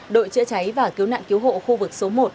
đội chữa cháy và cứu nạn cứu hộ khu vực số một